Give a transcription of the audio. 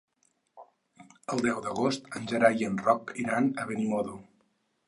El deu d'agost en Gerai i en Roc iran a Benimodo.